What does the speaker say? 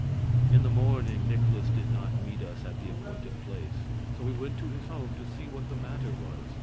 In the morning Nikolaus did not meet us at the appointed place, so we went to his home to see what the matter was.